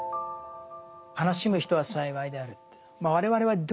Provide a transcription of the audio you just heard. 「悲しむ人は幸いである」と。